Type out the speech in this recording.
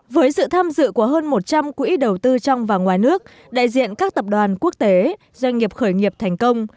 với sự tham dự của hơn một trăm linh quỹ đầu tư trong và ngoài nước đại diện các tập đoàn quốc tế doanh nghiệp khởi nghiệp thành công